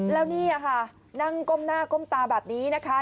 แล้วนี่ค่ะนั่งก้มหน้าก้มตาแบบนี้นะคะ